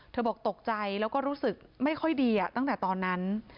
บอกตกใจแล้วก็รู้สึกไม่ค่อยดีตั้งแต่ตอนนั้น